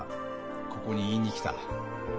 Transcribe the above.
ここに言いに来た。